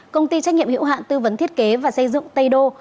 công ty trách nhiệm hiệu hạn tư vấn thiết kế và xây dựng tây đô